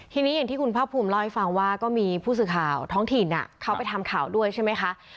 ทีนี้อย่างที่คุณภาคภูมิเล่าให้ฟังว่าก็มีผู้สื่อข่าวท้องถิ่นเขาไปทำข่าวด้วยใช่ไหมคะ